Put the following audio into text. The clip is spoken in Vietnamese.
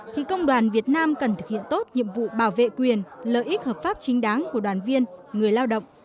thì công đoàn việt nam cần thực hiện tốt nhiệm vụ bảo vệ quyền lợi ích hợp pháp chính đáng của đoàn viên người lao động